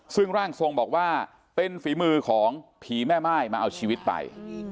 ซึ่งร่างทรงบอกว่าเป็นฝีมือของผีแม่ม่ายมาเอาชีวิตไป